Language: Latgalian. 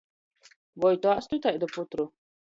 Voi tu āstu itaidu putru?